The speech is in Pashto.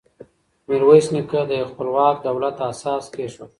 میرویس نیکه د یوه خپلواک دولت اساس کېښود.